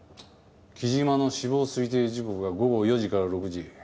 木島の死亡推定時刻が午後４時から６時。